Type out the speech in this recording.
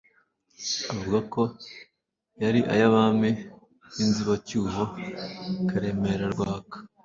avuga ko yari ay'abami b'inzibacyuho Karemera Rwaka